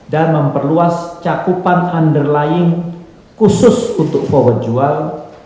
dan memperluas cakupan underlying khusus untuk forward jual